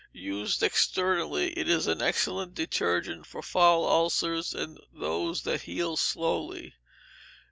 Used externally, it is an excellent detergent for foul ulcers, and those that heal slowly.